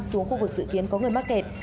xuống khu vực dự kiến có người mắc kẹt